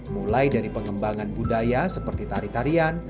mulai dari pengembangan budaya seperti tari tarian